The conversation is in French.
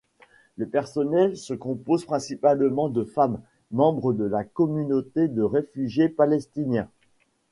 Le personnel se compose principalement de femmes, membres de la communauté de réfugiés palestiniens.